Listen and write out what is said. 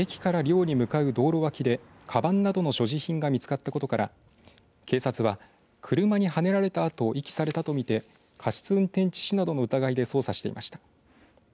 駅から寮に向かう道路脇でかばんなどの所持品が見つかったことから警察は車にはねられたあと遺棄されたとみて過失運転致死などの疑いで捜査していました。